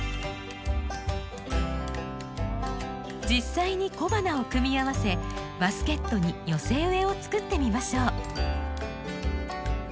実際に小花を組み合わせバスケットに寄せ植えを作ってみましょう。